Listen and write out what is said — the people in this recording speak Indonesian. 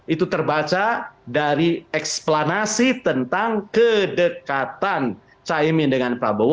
itu terbaca dari eksplanasi tentang kedekatan caimin dengan prabowo